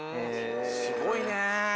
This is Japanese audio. すごいね。